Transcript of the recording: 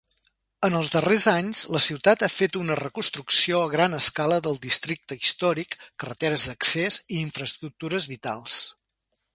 En els darrers anys, la ciutat ha fet una reconstrucció a gran escala del districte històric, carreteres d'accés i infraestructures vitals.